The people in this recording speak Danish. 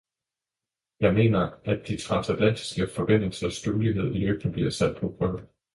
Jeg mener, at de transatlantiske forbindelsers duelighed løbende bliver sat på prøve.